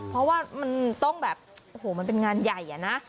เพราะว่ามันต้องแบบโอ้โหมันเป็นงานใหญ่อะนะ